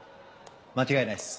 間違いないっす。